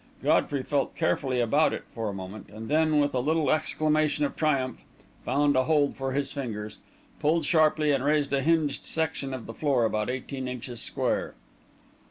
Godfrey felt carefully about it for a moment, and then, with a little exclamation of triumph, found a hold for his fingers, pulled sharply, and raised a hinged section of the floor, about eighteen inches square.